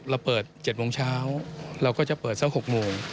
เราเปิด๗โมงเช้าเราก็จะเปิดสัก๖โมง